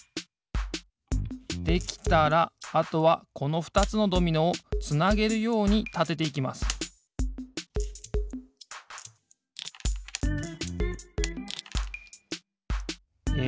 できたらあとはこのふたつのドミノをつなげるようにたてていきますえ